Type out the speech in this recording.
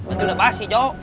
itu udah basi jo